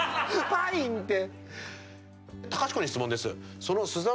パインって。